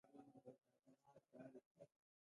د افغانستان خاوره د سرو زرو ده.